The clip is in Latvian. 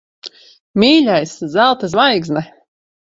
Mīļais! Zelta zvaigzne.